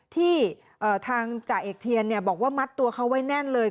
ที่ทางจ่าเอกเทียนบอกว่ามัดตัวเขาไว้แน่นเลย